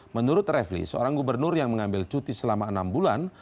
menurut refli seorang gubernur yang mengambil cuti selama enam bulan